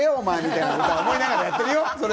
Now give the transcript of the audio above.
お前みたいなことを思いながらやってるよ。